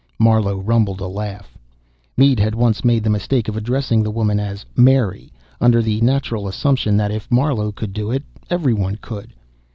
Marlowe rumbled a laugh. Mead had once made the mistake of addressing the woman as "Mary," under the natural assumption that if Marlowe could do it, everyone could.